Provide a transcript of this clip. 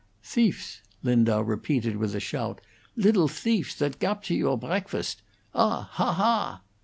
"Thiefs!" Lindau repeated, with a shout. "Lidtle thiefs, that gabture your breakfast. Ah! ha! ha!"